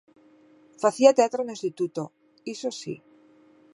Facía teatro no instituto, iso si.